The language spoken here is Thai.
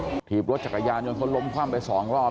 ถีบรถจักรยานยนต์เขาล้มคว่ำไปสองรอบ